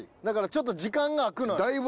だからちょっと時間が空くのよ。